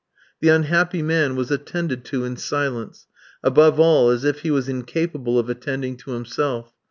The unhappy man was attended to in silence, above all if he was incapable of attending to himself.